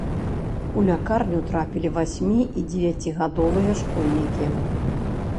У лякарню трапілі васьмі- і дзевяцігадовыя школьнікі.